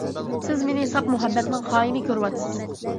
سىز مېنى ساپ مۇھەببەتنىڭ خايىنى كۆرۈۋاتىسىز.